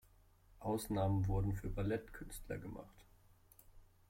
Ausnahmen wurden für Ballett-Künstler gemacht.